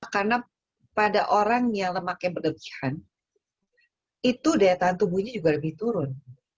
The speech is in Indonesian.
karena pada orang yang lemaknya berlebihan itu daya tahan tubuhnya juga lebih turun